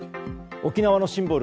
沖縄のシンボル